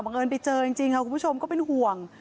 เอิญไปเจอจริงค่ะคุณผู้ชมก็เป็นห่วง